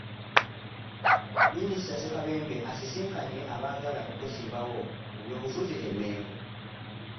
Minisita Ssekabembe asisinkanye abaagala okwesimbawo mu by'obufuzi e Mmengo